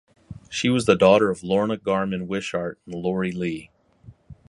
She was the daughter of Lorna Garman Wishart and Laurie Lee.